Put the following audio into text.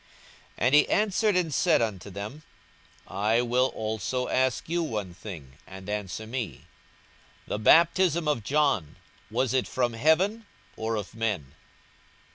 42:020:003 And he answered and said unto them, I will also ask you one thing; and answer me: 42:020:004 The baptism of John, was it from heaven, or of men?